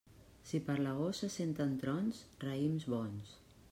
Si per l'agost se senten trons, raïms bons.